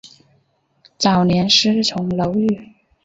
早年师从楼郁。